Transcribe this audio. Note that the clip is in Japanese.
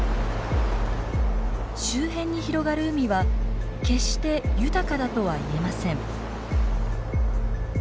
周辺に広がる海は決して豊かだとはいえません。